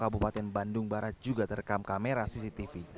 kabupaten bandung barat juga terekam kamera cctv